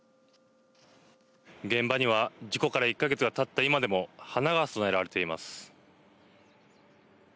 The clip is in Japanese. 現場には事故から１か月がたった今でも花が供えられています。